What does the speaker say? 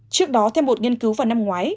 trước đó theo một nghiên cứu vào năm ngoái